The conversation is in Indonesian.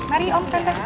mari om tante